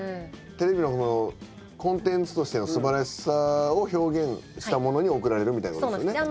テレビのコンテンツとしてのすばらしさを表現したものに贈られるみたいなことですよね？